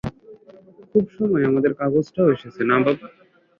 খুব সময়ে আমাদের কাগজটা এসেছে-না বাবা?